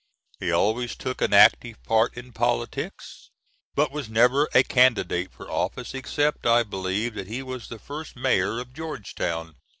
He always took an active part in politics, but was never a candidate for office, except, I believe, that he was the first Mayor of Georgetown.